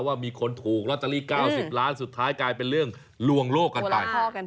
ว่ามีคนถูกรัตตีรี๙๐ล้านกลายเป็นเรื่องลวงโลกกันไป